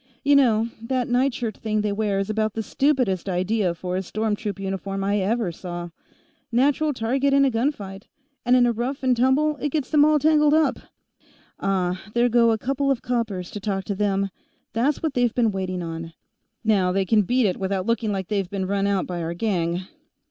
"You know, that nightshirt thing they wear is about the stupidest idea for a storm troop uniform I ever saw. Natural target in a gunfight, and in a rough and tumble it gets them all tangled up. Ah, there go a couple of coppers to talk to them; that's what they've been waiting on. Now they can beat it without looking like they been run out by our gang."